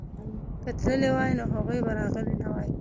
که تللي وای نو هغوی به راغلي نه وای.